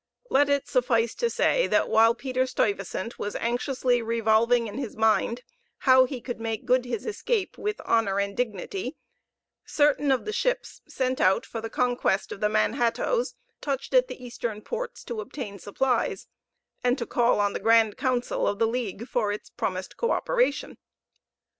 Let it suffice to say, that, while Peter Stuyvesant was anxiously revolving in his mind how he could make good his escape with honor and dignity, certain of the ships sent out for the conquest of the Manhattoes touched at the eastern ports to obtain supplies, and to call on the grand council of the league for its promised co operation.